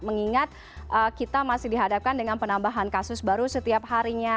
mengingat kita masih dihadapkan dengan penambahan kasus baru setiap harinya